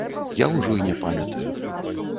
Я ўжо і не памятаю.